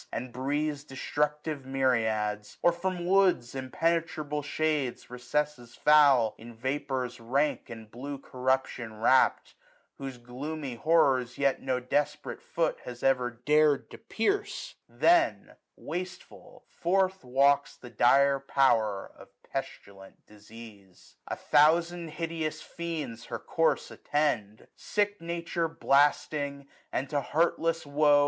And breathes destructive myriads ; or from woods, Impenetrable shades, recesses foul, 1031 In vapours rank and blue corruption wrapt, Whose gloomy horrors yet no desperate foot Has ever dar'd to pierce ; then, wasteful, forth Walks the dire Power of pestilent disease. 1035 A thousand hideous fiends her course attend ; Sick Nature blasting, and to heartless woe.